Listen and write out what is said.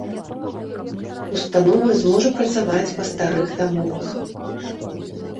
Установа зможа працаваць па старых дамовах.